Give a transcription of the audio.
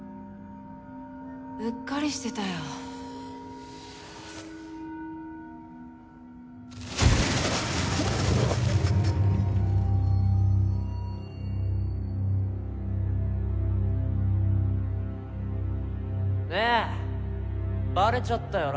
うっかりしてたよねえバレちゃったよ